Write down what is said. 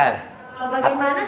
paling merdeka antara